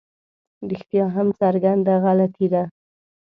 رښتیا هم څرګنده غلطي ده.